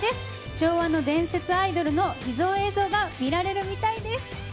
昭和の伝説アイドルの秘蔵映像が見られるみたいです。